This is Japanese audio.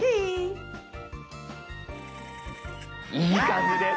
いい感じです。